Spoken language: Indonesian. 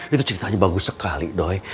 itu ceritanya bagus sekali doy